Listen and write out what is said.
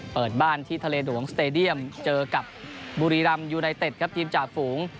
เปิดบ้านที่ทะเลหลวงสเตดียมเจอกับบุรีรำยูไนเต็ดครับทีมจ่าฝูง